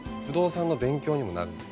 不動産の勉強にもなる。